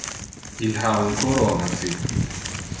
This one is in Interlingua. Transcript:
Il ha un corona ci.